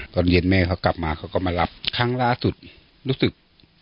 ตอนเย็นแม่เขากลับมาเขาก็มารับครั้งล่าสุดรู้สึก